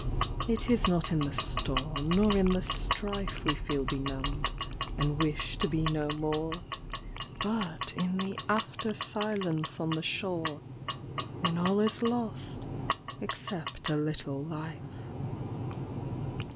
It is not in the storm nor in the strife We feel benumbed, and wish to be no more, But in the after silence on the shore, When all is lost, except a little life.